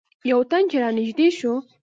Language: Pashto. یو تن چې رانږدې شو.